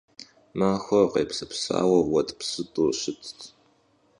Махуэр къепсэпсауэу уэтӀпсытӀу щытт.